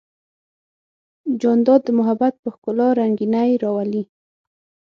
جانداد د محبت په ښکلا رنګینی راولي.